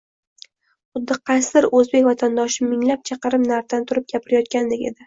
xuddi qaysidir oʻzbek vatandoshim minglab chaqirim naridan turib gapirayotgandek edi.